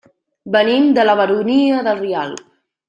Venim de la Baronia de Rialb.